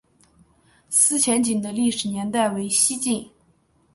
思前井的历史年代为西晋。